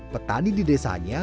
petani di desanya